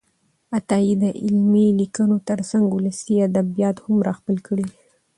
عطايي د علمي لیکنو ترڅنګ ولسي ادبیات هم راخپل کړي دي.